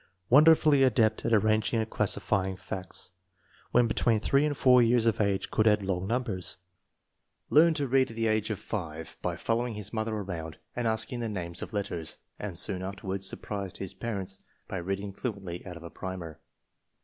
Wonderfully adept at arranging and classifying facts. When between three and four years of age could add long numbers. Learned to read at the age of 5 by following his mother around and asking the names of letters, and soon afterward surprised his parents by reading fluently out of a primer.